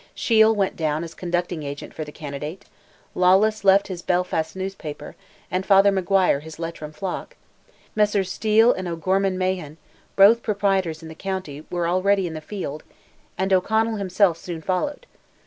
Shiel went down as conducting agent for the candidate; Lawless left his Belfast newspaper, and Father Maguire his Leitrim flock; Messrs. Steele and O'Gorman Mahon, both proprietors in the county, were already in the field, and O'Connell himself soon followed.